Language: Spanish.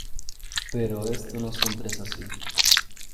Pero esto no siempre es así.